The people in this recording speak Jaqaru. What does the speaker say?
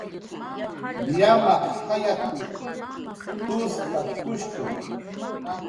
"Llamaq jayat""w t""uskatkushtu"